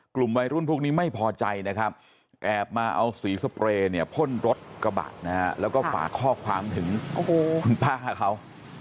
กลุ่มวัยรุ่นพวกนี้ไม่พอใจนะครับแอบมาเอาสีสเปรย์เนี่ยพ่นรถกระบะนะฮะแล้วก็ฝากข้อความถึงคุณป้าเขา